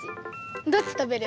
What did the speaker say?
どっち食べる？